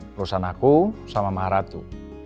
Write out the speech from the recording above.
perusahaan aku sama maharatu